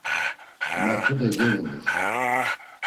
Ma tude gevulur.